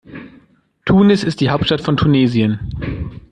Tunis ist die Hauptstadt von Tunesien.